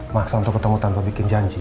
maksa untuk ketemu tanpa bikin janji